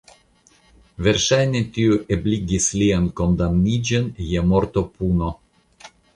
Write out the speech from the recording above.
Verŝajne tio ebligis lian kondamniĝon je mortopuno.